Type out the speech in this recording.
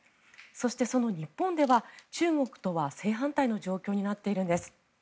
そして、その日本では中国とは正反対の状況になっているんです。